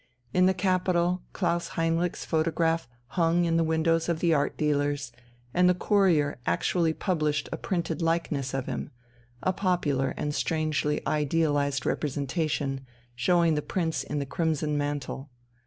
In the capital Klaus Heinrich's photograph hung in the windows of the art dealers, and the Courier actually published a printed likeness of him, a popular and strangely idealized representation, showing the Prince in the crimson mantle.